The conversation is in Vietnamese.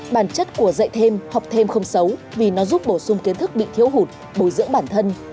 bản chất của dạy thêm học thêm không xấu vì nó giúp bổ sung kiến thức bị thiếu hụt bồi dưỡng bản thân